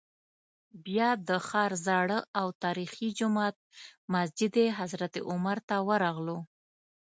بیا د ښار زاړه او تاریخي جومات مسجد حضرت عمر ته ورغلو.